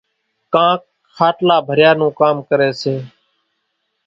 ڪانڪ کاٽلا ڀريا نون ڪام ڪريَ سي۔